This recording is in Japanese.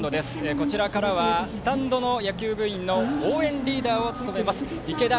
こちらからはスタンドの野球部員の応援リーダーを務めますいけだ